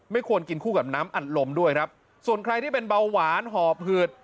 ควรกินคู่กับน้ำอัดลมด้วยครับส่วนใครที่เป็นเบาหวานหอบหืด